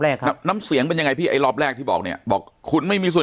ครับน้ำเสียงเป็นยังไงพี่ไอ้รอบแรกที่บอกเนี่ยบอกคุณไม่มีส่วน